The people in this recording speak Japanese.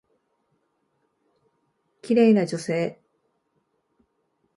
綺麗な女性。